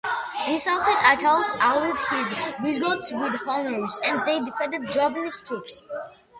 Insulted, Ataulf allied his Visigoths with Honorius, and they defeated Jovinus' troops.